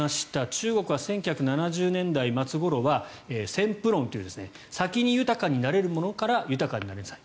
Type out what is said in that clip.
中国は１９７０年代末ごろは先富論という先に豊かになれる者から豊かになりなさい。